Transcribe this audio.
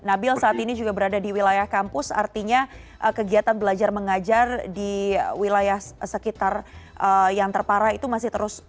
nabil saat ini juga berada di wilayah kampus artinya kegiatan belajar mengajar di wilayah sekitar yang terparah itu masih terus